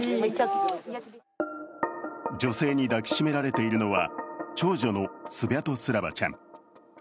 女性に抱きしめられているのは長女のスビャトスラバちゃん。